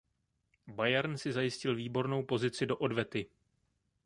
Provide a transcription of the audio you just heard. Bayern si zajistil výbornou pozici do odvety.